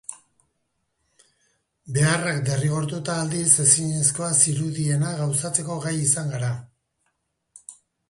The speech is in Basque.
Beharrak derrigortuta, aldiz, ezinezkoa zirudiena gauzatzeko gai izan gara.